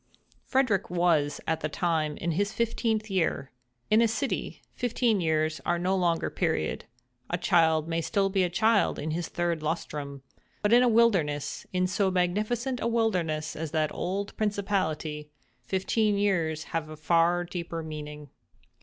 Frederick was, at that time, in his fifteenth year. In a city, fifteen years are no long period—a child may be still a child in his third lustrum: but in a wilderness—in so magnificent a wilderness as that old principality, fifteen years have a far deeper meaning.